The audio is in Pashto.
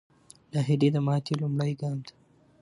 ناهیلي د ماتې لومړی ګام دی.